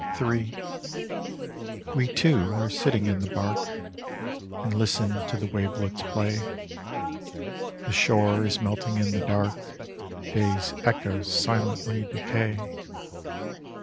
Ill We two are sitting in She bark, and listen to the wavelets' play, .the shore is melting in the dark, day's echoes silently decay.